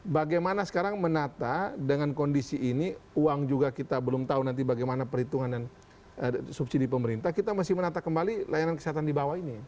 bagaimana sekarang menata dengan kondisi ini uang juga kita belum tahu nanti bagaimana perhitungan dan subsidi pemerintah kita masih menata kembali layanan kesehatan di bawah ini